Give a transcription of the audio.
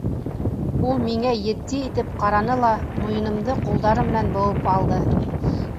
Ул миңә етди итеп ҡараны ла, муйынымды ҡулдары менән быуып алды.